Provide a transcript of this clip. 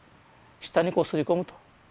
舌にこうすり込むと。